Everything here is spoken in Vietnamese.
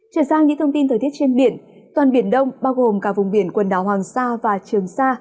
chuyển sang những thông tin thời tiết trên biển toàn biển đông bao gồm cả vùng biển quần đảo hoàng sa và trường sa